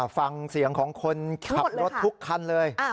ฟังเสียงของคนขับรถทุกคันเลย